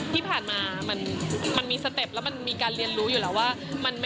ที่ผ่านมามันมีสเต็ปแล้วมันมีการเรียนรู้อยู่แล้วว่า